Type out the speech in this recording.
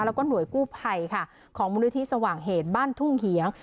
แล้วก็หน่วยกู้ภัยค่ะของมูลนิธิสว่างเหตุบ้านทุ่งเหียง